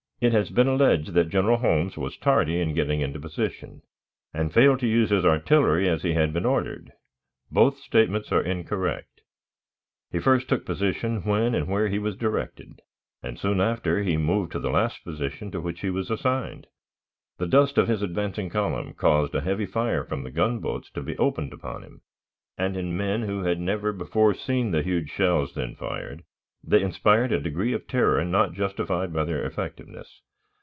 It has been alleged that General Holmes was tardy in getting into position, and failed to use his artillery as he had been ordered. Both statements are incorrect. He first took position when and where he was directed, and, soon after, he moved to the last position to which he was assigned. The dust of his advancing column caused a heavy fire from the gunboats to be opened upon him, and, in men who had never before seen the huge shells then fired, they inspired a degree of terror not justified by their effectiveness.